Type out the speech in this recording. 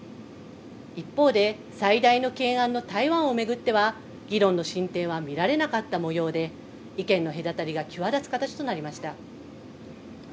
一方で、最大の懸案の台湾を巡っては、議論の進展は見られなかったもようで、意見の隔たりが際立つ形となりました。